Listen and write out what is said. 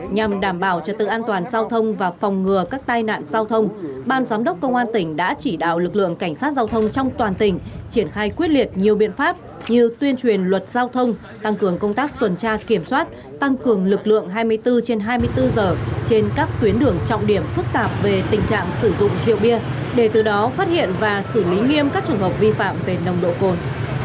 nhằm đảm bảo cho tự an toàn giao thông và phòng ngừa các tai nạn giao thông ban giám đốc công an tỉnh đã chỉ đạo lực lượng cảnh sát giao thông trong toàn tỉnh triển khai quyết liệt nhiều biện pháp như tuyên truyền luật giao thông tăng cường công tác tuần tra kiểm soát tăng cường lực lượng hai mươi bốn trên hai mươi bốn giờ trên các tuyến đường trọng điểm phức tạp về tình trạng sử dụng hiệu bia để từ đó phát hiện và xử lý nghiêm các trường hợp vi phạm về nồng độ cồn